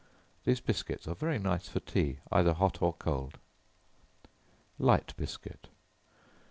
These biscuits are very nice for tea, either hot or cold. Light Biscuit.